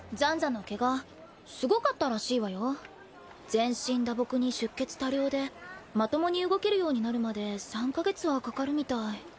全身打撲に出血多量でまともに動けるようになるまで３カ月はかかるみたい。